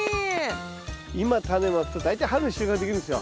今タネまくと大体春に収穫できるんですよ。